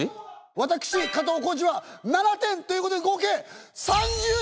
私加藤浩次は７点！ということで合計。